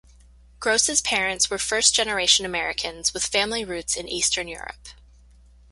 Gross' parents were first-generation Americans, with family roots in eastern Europe.